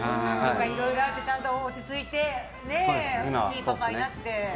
いろいろあって落ち着いてねいいパパになって。